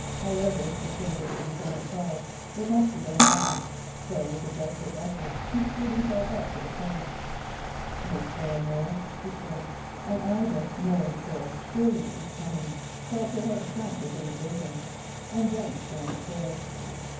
However, if the thing was to be done at all it must be done now, so, with a desperate effort, he brought himself to the point. "Miss de la Molle," he said, and Ida, knowing full surely what was coming, felt her heart jump within her bosom and then stand still.